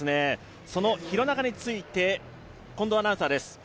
廣中について、近藤アナウンサーです。